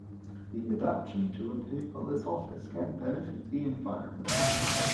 The adaptation to a paperless office can benefit the environment.